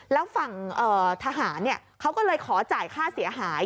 แล้วฝั่งทหารเขาก็เลยขอจ่ายค่าเสียหาย